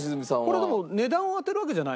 これでも値段を当てるわけじゃないもんね。